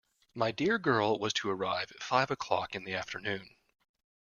My dear girl was to arrive at five o'clock in the afternoon.